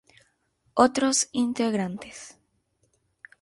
Otros integrantes